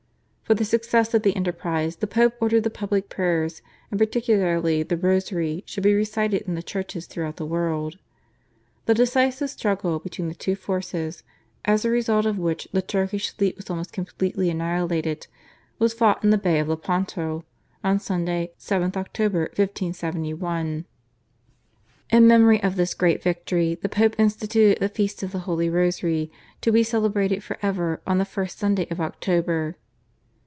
For the success of the enterprise the Pope ordered that public prayers and particularly the Rosary should be recited in the churches throughout the world. The decisive struggle between the two forces, as a result of which the Turkish fleet was almost completely annihilated, was fought in the Bay of Lepanto on Sunday, 7th October 1571. In memory of this great victory the Pope instituted the Feast of the Holy Rosary to be celebrated for ever on the first Sunday of October.